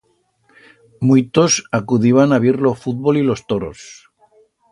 Muitos acudiban a vier lo fútbol y los toros.